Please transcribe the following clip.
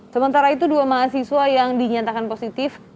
sementara itu dua mahasiswa yang dinyatakan positif